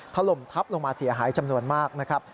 ถล่มทับลงมาเสียหายจำนวนมากนะครับ